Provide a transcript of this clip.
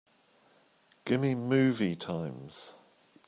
Gimme movie times.